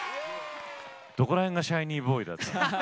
どこら辺がシャイニーボーイだったんですか？